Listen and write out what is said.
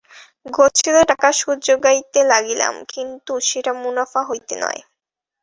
গচ্ছিত টাকার সুদ জোগাইতে লাগিলাম, কিন্তু সেটা মুনাফা হইতে নয়।